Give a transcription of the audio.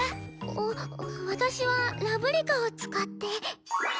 あ私は「ラブリカ」を使って。